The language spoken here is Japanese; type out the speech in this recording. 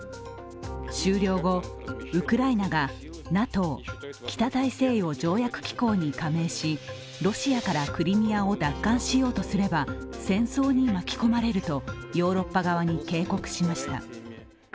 終了後、ウクライナがＮＡＴＯ＝北大西洋条約機構に加盟しロシアからクリミアを奪還しようとすれば戦争に巻き込まれるとヨーロッパ側に警告しました。